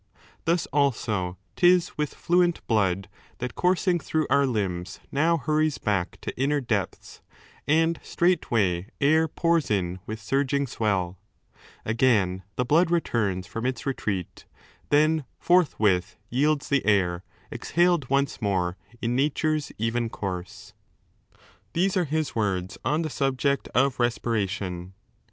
Thus also 'tis with fluent blood That coursing through our limbs now hurries back To inner depths, and straightway air pours in With surging swell Again the blood returns From its retreat ; then forthwith yields the air, Exhaled once more, in nature's even course.^ These are his words on the subject of respiration.